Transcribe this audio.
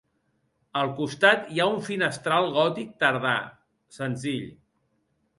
Al costat hi ha un finestral gòtic tardà, senzill.